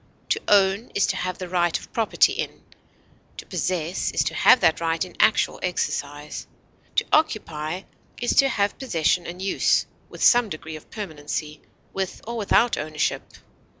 To own is to have the right of property in; to possess is to have that right in actual exercise; to occupy is to have possession and use, with some degree of permanency, with or without ownership.